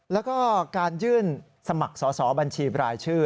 แล้วก็การยื่นสมัครสอบบัญชีบรายชื่อ